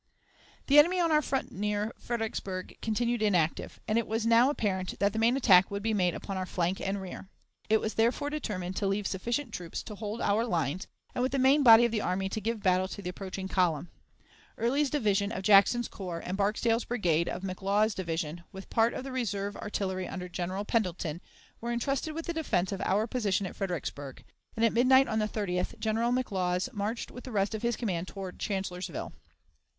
The enemy on our front near Fredericksburg continued inactive, and it was now apparent that the main attack would be made upon our flank and rear. It was therefore determined to leave sufficient troops to hold our lines, and with the main body of the army to give battle to the approaching column. Early's division of Jackson's corps and Barksdale's brigade of McLaws's division, with part of the reserve artillery under General Pendleton, were intrusted with the defense of our position at Fredericksburg, and at midnight on the 30th General McLaws marched with the rest of his command toward Chancellorsville.